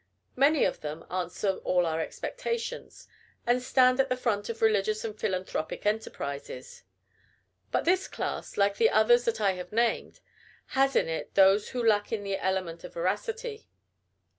Many of them answer all our expectations, and stand at the front of religious and philanthropic enterprises. But this class, like the others that I have named, has in it those who lack in the element of veracity.